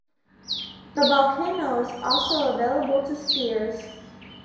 The volcano is also available to skiers.